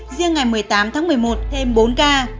riêng ngày một mươi tám tháng một mươi một thêm bốn ca